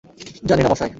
জানি না, মশাই।